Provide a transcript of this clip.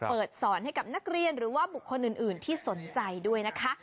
สอนให้กับนักเรียนหรือว่าบุคคลอื่นที่สนใจด้วยนะคะ